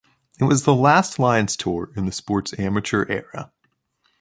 It was the last Lions tour in the sport's amateur era.